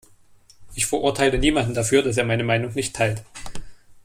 Ich verurteile niemanden dafür, dass er meine Meinung nicht teilt.